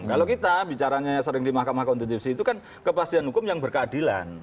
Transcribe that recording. kalau kita bicaranya yang sering di mahkamah konstitusi itu kan kepastian hukum yang berkeadilan